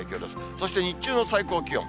そして日中の最高気温。